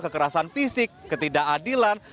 kekerasan fisik ketidakadilan